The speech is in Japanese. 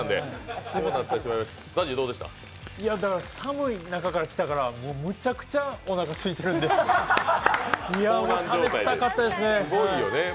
寒い中から来たので、むちゃくちゃおなかすいているのでもう食べたかったですね。